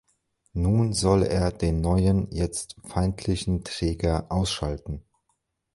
Nun soll er den neuen, jetzt feindlichen, Träger ausschalten.